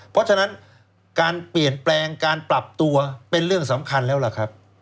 เพราะฉะนั้นการเปลี่ยนแปลงการปรับตัวเป็นเรื่องสำคัญแล้วล่ะครับ